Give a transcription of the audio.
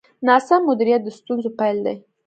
ناسم مدیریت د ستونزو پیل دی.